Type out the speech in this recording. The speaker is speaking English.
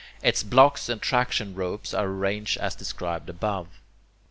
Its blocks and traction ropes are arranged as described above.